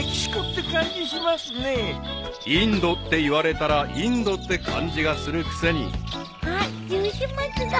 ［インドって言われたらインドって感じがするくせに］あっジュウシマツだ。